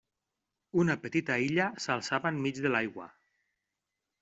Una petita illa s'alçava enmig de l'aigua.